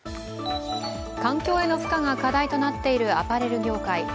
環境への負荷が課題となっているアパレル業界。